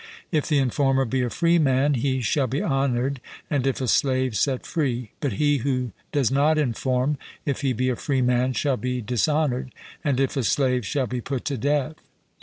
If the informer be a freeman, he shall be honoured, and if a slave, set free; but he who does not inform, if he be a freeman, shall be dishonoured, and if a slave, shall be put to death.